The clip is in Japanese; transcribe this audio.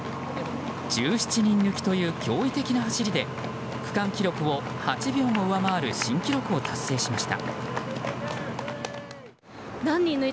１７人抜きという驚異的な走りで区間記録を８秒も上回る新記録を達成しました。